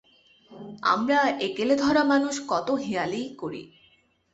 আমরা একেলেধরা মানুষ কত হেঁয়ালিই করি।